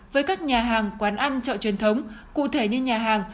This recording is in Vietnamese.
với các nhà hàng quán ăn chợ truyền thống cụ thể như nhà hàng